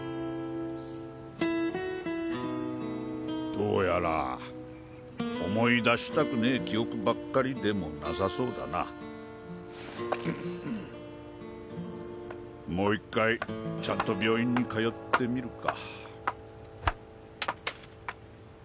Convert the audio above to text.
どうやら思い出したくねぇ記憶ばっかりでもなさそうだな。も１回ちゃんと病院に通ってみるか。